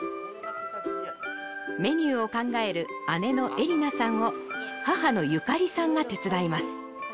メニューを考える姉のえりなさんを母のゆかりさんが手伝います